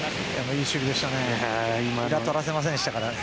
いい守備でしたね。